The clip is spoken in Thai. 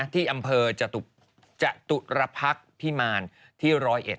ที่อำเภอจตุรพักษ์พิมารที่๑๐๑